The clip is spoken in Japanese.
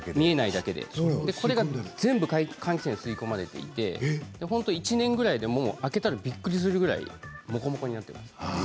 それが全部換気扇に吸い込まれていて１年ぐらいで開けたらびっくりするぐらい、ほこりがたまっています。